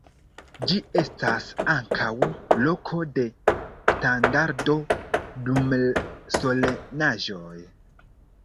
Ĝi estas ankaŭ loko de standardo dum solenaĵoj.